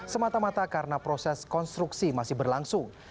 semata mata karena proses konstruksi masih berlangsung